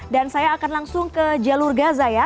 dan saya akan langsung ke jalur gaza ya